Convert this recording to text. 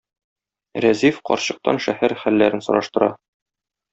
Рәзиф карчыктан шәһәр хәлләрен сораштыра.